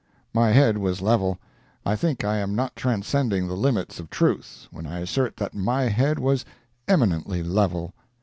My head was level. I think I am not transcending the limits of truth, when I assert that my head was eminently level.